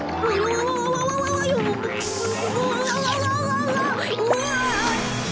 うわ！